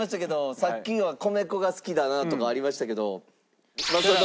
さっきは米粉が好きだなとかありましたけど政伸